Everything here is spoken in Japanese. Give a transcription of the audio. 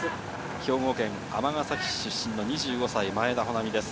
兵庫県尼崎市出身の２５歳、前田穂南です。